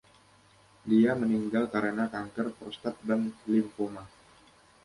Dia meninggal karena kanker prostat dan limfoma.